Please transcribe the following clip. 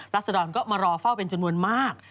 รัศดรก็มารอเฝ้าเป็นจนมวลมาก